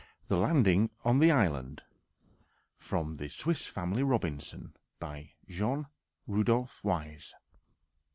THE LANDING ON THE ISLAND (From The Swiss Family Robinson.) By JEAN RUDOLF WYSS.